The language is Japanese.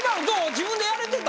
自分でやれてた？